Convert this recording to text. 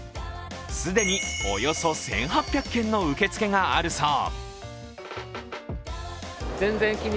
既におよそ１８００件の受け付けがあるそう。